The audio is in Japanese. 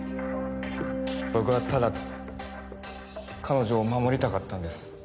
僕はただ彼女を守りたかったんです。